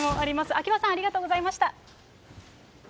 秋葉さん、ありがとうございます。